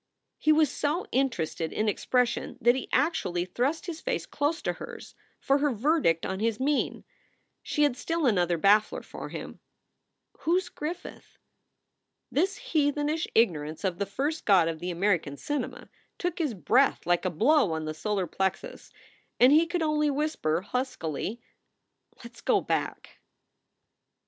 He was so interested in expression that he actually thrust his face close to hers for her verdict on his mien. She had still another baffler for him: "Who s Griffith?" This heathenish ignorance of the first god of the American cinema, took his breath like a blow on the solar plexus and he could only whisper, huskily: "Let s go back."